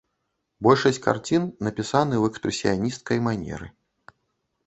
Большасць карцін напісаны ў экспрэсіянісцкай манеры.